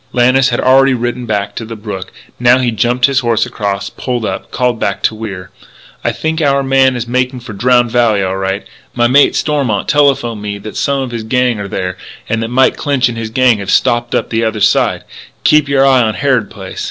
Lannis had already ridden down to the brook. Now he jumped his horse across, pulled up, called back to Wier: "I think our man is making for Drowned Valley, all right. My mate, Stormont, telephoned me that some of his gang are there, and that Mike Clinch and his gang have them stopped on the other side! Keep your eye on Harrod Place!"